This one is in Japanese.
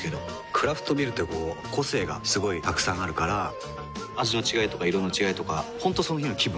クラフトビールってこう個性がすごいたくさんあるから味の違いとか色の違いとか本当その日の気分。